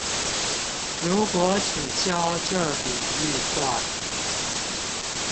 如果取消這筆預算